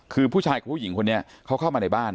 คือผู้ชายกับผู้หญิงคนนี้เขาเข้ามาในบ้าน